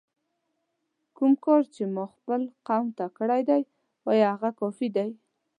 کوم کار چې ما خپل قوم ته کړی دی آیا هغه کافي دی؟!